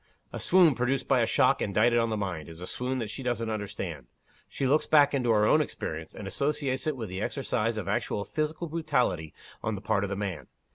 A swoon produced by a shock indicted on the mind, is a swoon that she doesn't understand. She looks back into her own experience, and associates it with the exercise of actual physical brutality on the part of the man.